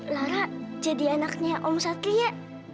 lara jadi anaknya om satria